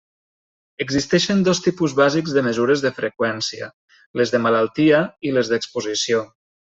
Existeixen dos tipus bàsics de mesures de freqüència, les de malaltia i les d'exposició.